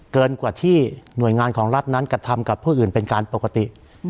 เกินกว่าที่หน่วยงานของรัฐนั้นกระทำกับผู้อื่นเป็นการปกติ